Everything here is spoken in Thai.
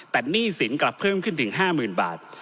แต่หนี้สินกลับเพิ่มขึ้นถึง๕๐๐๐บาท